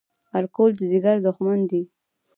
الکول د ځیګر دښمن دی